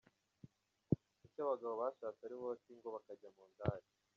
Kuki abagabo bashatse aribo bata ingo bakajya mu ndaya?.